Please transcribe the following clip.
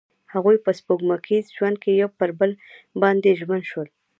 هغوی په سپوږمیز ژوند کې پر بل باندې ژمن شول.